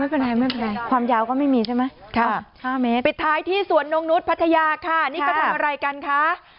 ไม่เป็นไรความยาวก็ไม่มีใช่ไหมปิดท้ายที่สวนนกนุษย์พัทยาค่ะนี่ก็ทำอะไรกันคะ